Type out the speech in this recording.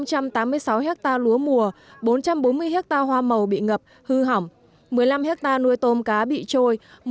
một tám mươi sáu ha lúa mùa bốn trăm bốn mươi ha hoa màu bị ngập hư hỏng một mươi năm ha nuôi tôm cá bị trôi